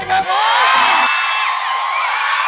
คุณลับ